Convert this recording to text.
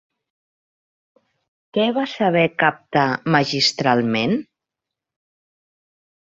Què va saber captar magistralment?